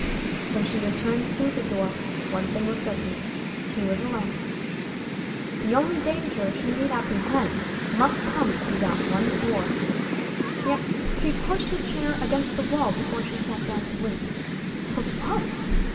When she returned to the door, one thing was certain, she was alone. The only danger she need apprehend must come through that one door. Yet she pushed a chair against the wall before she sat down to wait for what?